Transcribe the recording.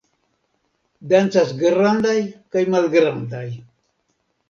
Dancas grandaj kaj malgrandaj!